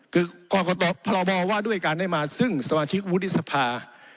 คือพรบว่าด้วยการได้มาซึ่งสมาชิกวุฒิสภา